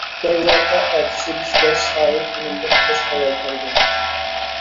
دەرۋەقە ئەتىسى بىزگە سارى خېنىمدىن خوش خەۋەر كەلدى.